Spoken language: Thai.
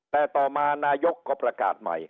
แต่ต่อมานายกก็ประกาศใหม่